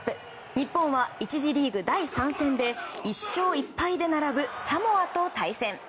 日本は１次リーグ第３戦で１勝１敗で並ぶサモアと対戦。